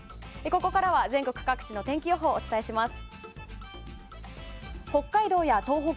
ここからは全国各地の天気予報をお伝えします。